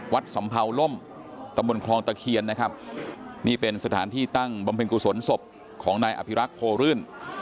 สำเภาล่มตำบลคลองตะเคียนนะครับนี่เป็นสถานที่ตั้งบำเพ็ญกุศลศพของนายอภิรักษ์โพรื่น